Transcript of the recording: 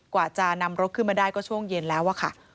กว่าจะนำรถขึ้นมาได้ก็ช่วงเย็นแล้วอะค่ะ